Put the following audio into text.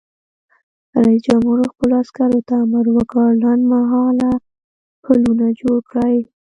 رئیس جمهور خپلو عسکرو ته امر وکړ؛ لنډمهاله پلونه جوړ کړئ!